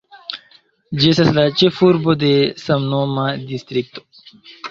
Ĝi estas la ĉefurbo de samnoma distrikto.